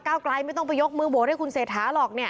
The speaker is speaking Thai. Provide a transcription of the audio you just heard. กลายไม่ต้องไปยกมือโหวตให้คุณเศรษฐาหรอกเนี่ย